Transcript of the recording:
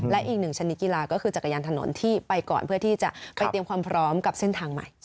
และอีกหนึ่งชนิดกีฬาก็คือจักรยานถนนที่ไปก่อนเพื่อที่จะไปเตรียมความพร้อมกับเส้นทางใหม่